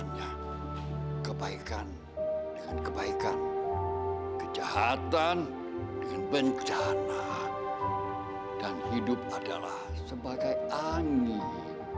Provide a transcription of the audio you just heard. hanya kebaikan dengan kebaikan kejahatan dengan bencana dan hidup adalah sebagai ani